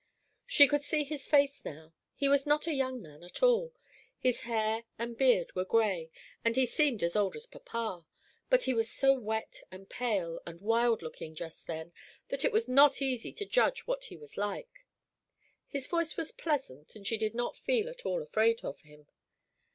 She could see his face now. He was not a young man, at all. His hair and beard were gray, and he seemed as old as papa; but he was so wet and pale and wild looking just then, that it was not easy to judge what he was like. His voice was pleasant, and she did not feel at all afraid of him.